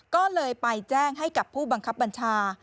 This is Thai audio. ก็เลยไปแจ้งให้กับผู้บังคับบัญชา